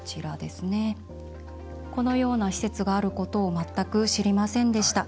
このような施設があることを全く知りませんでした。